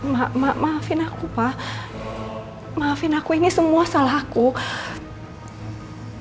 mak mak maafin aku pak maafin aku ini semua salah aku aku investasi besar dijanjiin sama